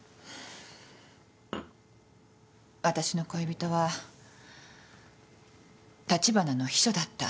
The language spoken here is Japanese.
私の恋人は立花の秘書だった。